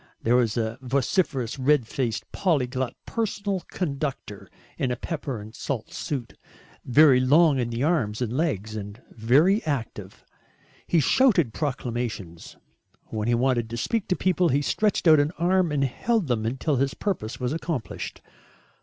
There was a vociferous red faced polyglot personal conductor in a pepper and salt suit, very long in the arms and legs and very active. He shouted proclamations. When he wanted to speak to people he stretched out an arm and held them until his purpose was accomplished.